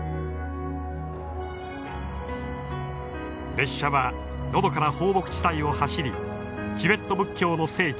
列車はのどかな放牧地帯を走りチベット仏教の聖地